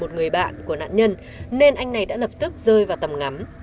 một người bạn của nạn nhân nên anh này đã lập tức rơi vào tầm ngắm